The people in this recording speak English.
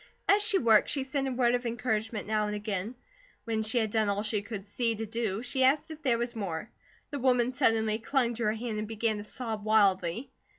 As she worked, she said a word of encouragement now and again; when she had done all she could see to do, she asked if there was more. The woman suddenly clung to her hand and began to sob wildly.